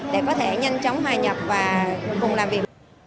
để có thể nhanh chóng hòa nhập và cùng làm việc